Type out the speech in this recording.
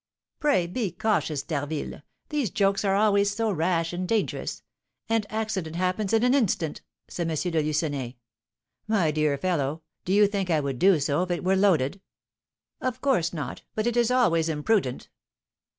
"Pray be cautious, D'Harville; these jokes are always so rash and dangerous; and accident happens in an instant," said M. de Lucenay. "My dear fellow, do you think I would do so if it were loaded?" "Of course not, but it is always imprudent."